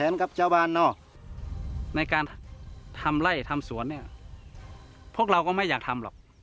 ในการทำไล่ทำสวนเนี้ยพวกเราก็ไม่อยากทำหรอก